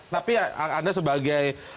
tapi anda sebagai